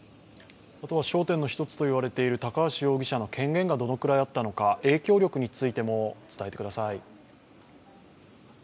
焦点の一つと言われている高橋容疑者の権限がどのくらいあったのか影響力についても伝えてください。